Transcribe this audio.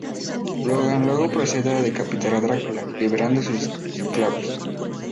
Logan luego procede a decapitar a Drácula, liberando sus esclavos.